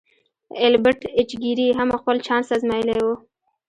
ایلبرټ ایچ ګیري هم خپل چانس ازمایلی و